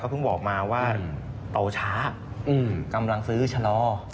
เพิ่งบอกมาว่าโตช้ากำลังซื้อชะลอ